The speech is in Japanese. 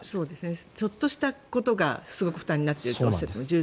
ちょっとしたことがすごく負担になっているとおっしゃっていましたね。